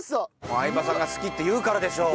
相葉さんが好きって言うからでしょ！